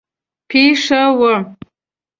پېښه وه.